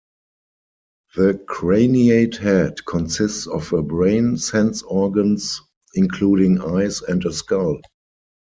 The craniate head consists of a brain, sense organs, including eyes, and a skull.